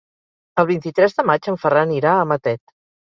El vint-i-tres de maig en Ferran irà a Matet.